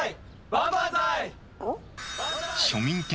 バンバンザイ！